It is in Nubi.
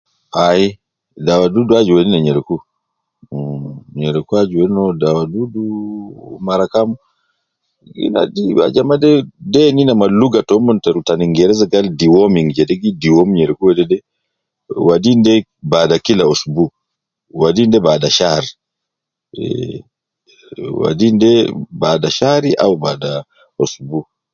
Ai dawa dudu aju wedi ne nyereku mh, nyereku aju wedi no dawa dudu mara kam, gi nadi ajama de den ina ma lugha tomon ta kingereza gal deworming jede gi deworm nyereku wedede ,wadin de baada Kila ousbu, wadin de baada shar, eh wadin de baada shari au bada ousbu